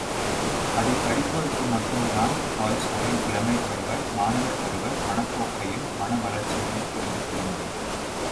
அதைப் படிப்போருக்கு மட்டும்தான்்டால்ஸ்டாயின் இளமைப்பருவ, மாணவர் பருவ மனப்போக்கையும், மன வளர்ச்சியையும் புரிந்து கொள்ள முடியும்.